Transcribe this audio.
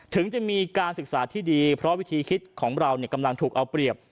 ถึงจะมีการศึกษาที่ดีเพราะวิธีคิดของเรากำลังถูกเอาเปรียบ